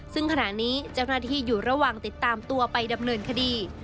ซึ่งขณะนี้เจ้าหน้าที่อยู่ระหว่างติดตามตัวไปดำเนินคดี